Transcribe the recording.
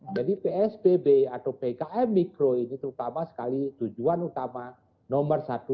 jadi psbb atau pkm mikro ini terutama sekali tujuan utama nomor satu